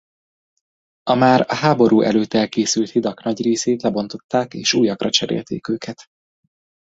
A már a háború előtt elkészült hidak nagy részét lebontották és újakra cserélték őket.